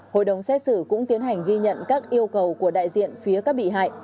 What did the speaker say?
hội đồng xét xử cũng tiến hành ghi nhận các yêu cầu của đại diện phía các bị hại